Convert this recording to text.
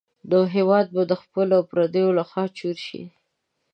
نو هېواد به د خپلو او پردیو لخوا چور شي.